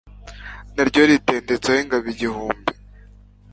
na ryo ritendetseho ingabo igihumbi